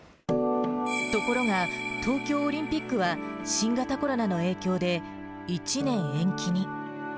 ところが、東京オリンピックは、新型コロナの影響で１年延期に。